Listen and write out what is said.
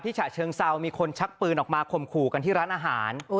ฉะเชิงเซามีคนชักปืนออกมาข่มขู่กันที่ร้านอาหาร